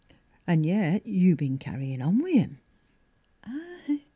An' yet you've been carryin' on wi' him.